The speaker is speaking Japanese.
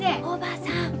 おばさん！